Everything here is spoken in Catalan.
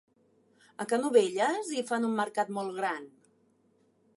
A Canovelles hi fan un mercat molt gran